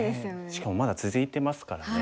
しかもまだ続いてますからね。